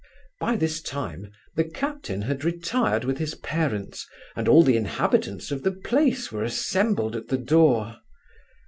By this time, the captain had retired with his parents, and all the inhabitants of the place were assembled at the door.